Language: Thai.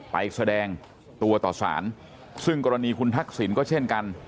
ไปแสดงตัวต่อสารซึ่งกรณีคุณทักษิณก็เช่นกัน